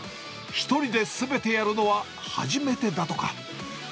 １人ですべてやるのは初めてだとか。